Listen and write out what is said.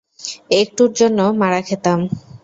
একটুর জন্য মারা খেতাম।